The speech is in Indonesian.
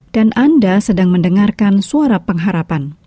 dan anda sedang mendengarkan suara pengharapan